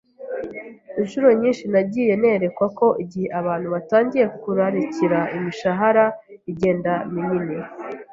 Incuro nyinshi nagiye nerekwa ko igihe abantu batangiye kurarikira imishahara igenda minini